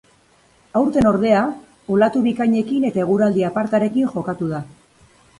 Aurten ordea, olatu bikainekin eta eguraldi apartarekin jokatu da.